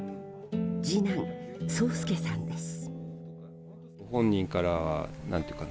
次男・宗助さんです。